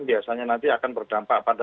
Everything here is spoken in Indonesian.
biasanya nanti akan berdampak pada